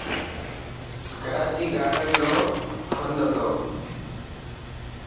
ڪراچي گادي رو هند هتو.